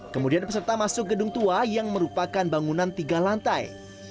kemudian peserta masuk gedung tua yang merupakan bangunan tiga lantai